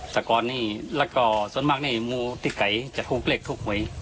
ส่ากรนี่และกอสมัครนี่มูติไกจัดฮูเกรกขทุกเวย์